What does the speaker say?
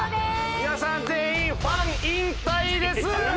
皆さん全員ファン引退です！